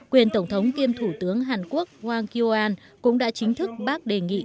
quyền tổng thống kiêm thủ tướng hàn quốc wang kyo an cũng đã chính thức bác đề nghị